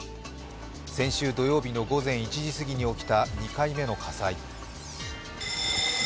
先週土曜日の午前１時すぎに起きた２回目の火災。